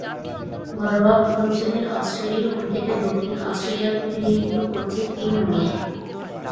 ঘরোয়া প্রথম-শ্রেণীর অস্ট্রেলীয় ক্রিকেটে দক্ষিণ অস্ট্রেলিয়ার প্রতিনিধিত্ব করেছেন টিম মে।